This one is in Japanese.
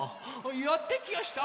やってきやした。